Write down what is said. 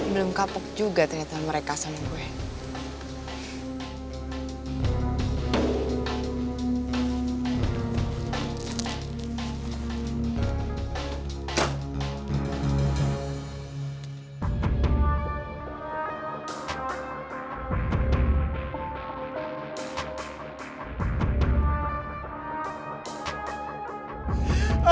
belum kapuk juga ternyata mereka sama gue